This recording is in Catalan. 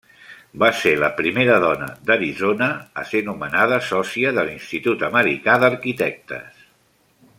Va ser la primera dona d'Arizona a ser nomenada sòcia de l'Institut Americà d'Arquitectes.